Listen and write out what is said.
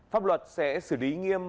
pháp luật sẽ xử lý nghiêm